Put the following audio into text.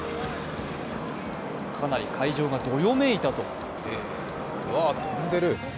かなり会場がどよめいたという。